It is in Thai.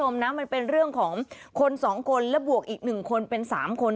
มันเป็นเรื่องของคน๒คนและบวกอีก๑คนเป็น๓คน